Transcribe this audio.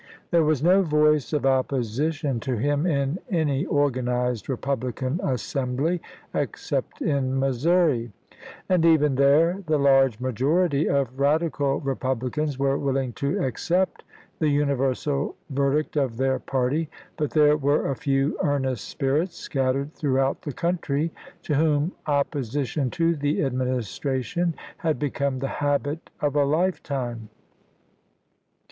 There was no voice of opposition to him in any organized Republican assembly, except in Missouri ; and even there the large majority of radical Republicans were willing to accept the universal verdict of their party ; but there were a few earnest spirits scattered throughout the country to whom opposition to the Administration had become the habit of a lifetime.